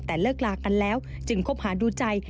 แต่เลิกลากันแล้วจึงคบหาดูใจ